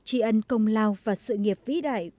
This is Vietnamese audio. trì ân công lao và sự nghiệp vĩ đại